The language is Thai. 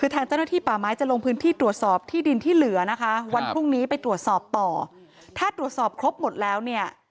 ถ้าที่ประมาณรภาพติกนะ